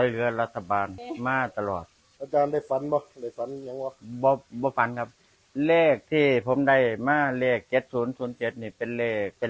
หลังจากนี้หลังจากนี้ก็เจอ๓๐๐๐วัน